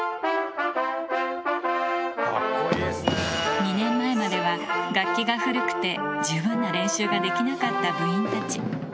２年前までは楽器が古くて、十分な練習ができなかった部員たち。